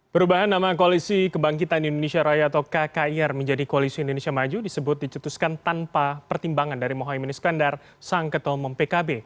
perubahan nama koalisi kebangkitan indonesia raya atau kkir menjadi koalisi indonesia maju disebut dicetuskan tanpa pertimbangan dari mohaimin iskandar sang ketua umum pkb